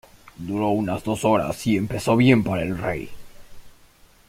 Duró unas dos horas, y empezó bien para el rey.